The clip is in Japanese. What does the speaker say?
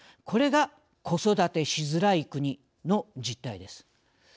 これが子育てしづらい国の実態です。